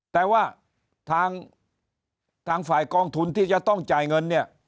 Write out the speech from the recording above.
แต่ว่าทางฝ่ายกองทุนที่จะต้องจ่ายเงินเนี่ย